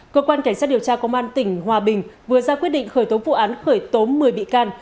cơ quan cảnh sát điều tra công an tỉnh hòa bình vừa ra quyết định khởi tố vụ án khởi tố một mươi bị can